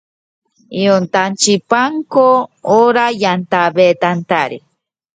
Debutó en Universitario de Deportes.